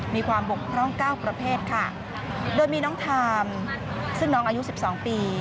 มีความบกพร่อง๙ประเภทโดยมีน้องทามซึ่งน้องอายุ๑๒ปี